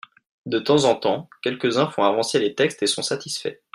De temps en temps, quelques-uns font avancer les textes et sont satisfaits.